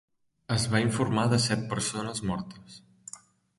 Es va informar de set persones mortes.